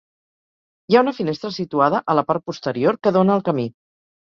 Hi ha una finestra situada a la part posterior que dóna al camí.